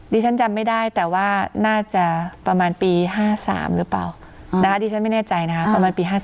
ดิฉันจำไม่ได้แต่ว่าน่าจะประมาณปี๕๓หรือเปล่านะคะดิฉันไม่แน่ใจนะคะประมาณปี๕๗